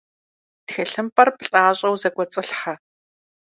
ТхылъымпӀэр плӀащӀэу зэкӀуэцӀылъхьэ.